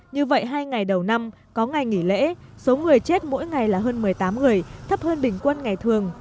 như vậy hai ngày đầu năm có ngày nghỉ lễ số người chết mỗi ngày là hơn một mươi tám người thấp hơn bình quân ngày thường